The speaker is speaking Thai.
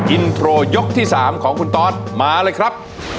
อินโทรยกที่๓ของคุณตอสมาเลยครับ